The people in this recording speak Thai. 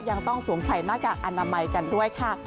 ยังต้องสวมใส่หน้ากากอนามัยกันด้วยค่ะ